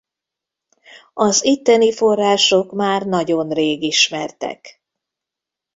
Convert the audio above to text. Az itteni források már nagyon rég ismertek.